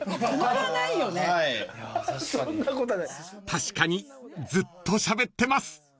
［確かにずっとしゃべってます］